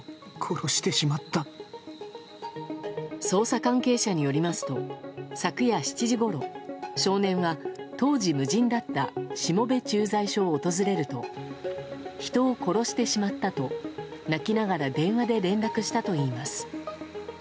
捜査関係者によりますと昨夜７時ごろ少年は当時無人だった下部駐在所を訪れると人を殺してしまったと泣きながら電話で連絡したといいます。